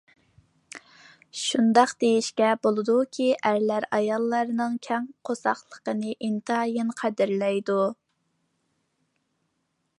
شۇنداق دېيىشكە بولىدۇكى، ئەرلەر ئاياللارنىڭ كەڭ قورساقلىقىنى ئىنتايىن قەدىرلەيدۇ.